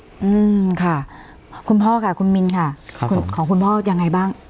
อืมค่ะคุณพ่อค่ะคุณมินค่ะครับคุณของคุณพ่อยังไงบ้าง